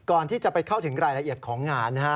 ก่อนที่จะไปเข้าถึงรายละเอียดของงานนะฮะ